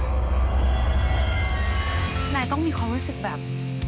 นายต้องมีความรู้สึกแบบ